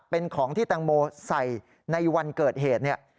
เป็นของที่แตงโมใส่ในวันเกิดเหตุเนี่ย